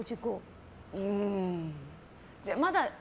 うん。